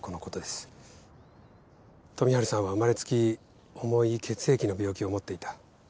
富治さんは生まれつき重い血液の病気を持っていた。